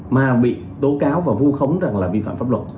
mà bị tố cáo và vu khống rằng là vi phạm pháp luật